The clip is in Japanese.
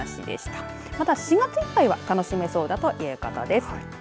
ただ、４月いっぱいは楽しめそうだということです。